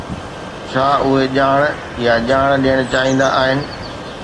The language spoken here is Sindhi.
ڇا اهي ڄاڻ يا ڄاڻ ڏيڻ چاهيندا آهن؟